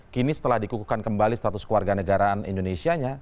kini setelah dikukuhkan kembali status keluarga negaraan indonesia nya